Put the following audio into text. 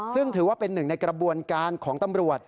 ซึ่งถือว่าเป็นหนึ่งในกระบวนการของตำรวจ